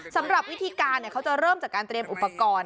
สำหรับวิธีการเขาจะเริ่มจากการเตรียมอุปกรณ์